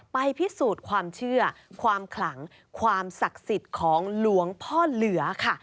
พิสูจน์ความเชื่อความขลังความศักดิ์สิทธิ์ของหลวงพ่อเหลือค่ะ